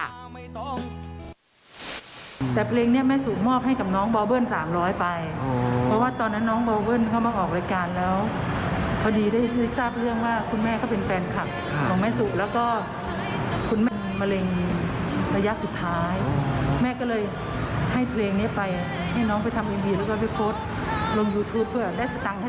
แม่เขาอะไรอย่างนี้ค่ะ